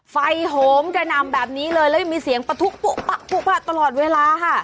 โหมกระนำแบบนี้เลยแล้วยังมีเสียงประทุปุ๊ปะปุ๊ปะตลอดเวลาค่ะ